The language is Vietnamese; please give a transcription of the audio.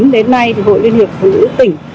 đến nay hội liên hiệp phụ nữ tỉnh